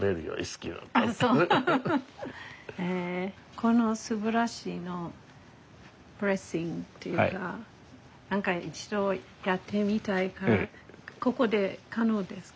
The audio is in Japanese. このすばらしいのレッスンというか何か一度やってみたいからここで可能ですか？